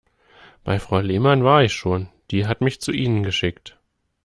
Bei Frau Lehmann war ich schon, die hat mich zu Ihnen geschickt.